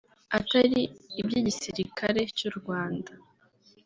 atari iby’igisilikare cy’u Rwanda